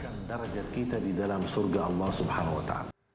dan darjat kita di dalam surga allah swt